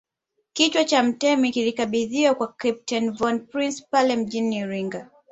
Kichwa cha mtemi kilikabidhiwa kwa Kapteni von Prince pale mjini Iringa